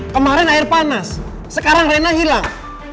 kemarin air panas sekarang rena hilang